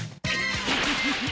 フフフフ。